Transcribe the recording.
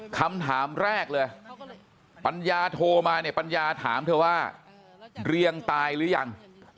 คำถามแรกเลยปัญญาโทรมาเนี่ยปัญญาถามเธอว่าเรียงตายหรือยัง